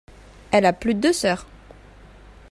Elle a plus de deux sœurs.